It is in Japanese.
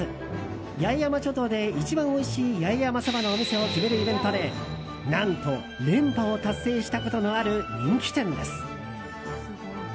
八重山諸島で一番おいしい八重山そばのお店を決めるイベントで何と連覇を達成したことのある人気店です。